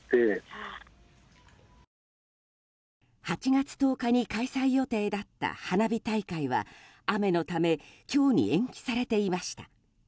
８月１０日に開催予定だった花火大会は雨のため今日に延期されていました。